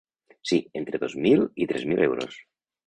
Sí, entre dos mil i tres mil euros.